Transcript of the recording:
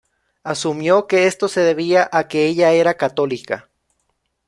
Asumió que esto se debía a que ella era católica.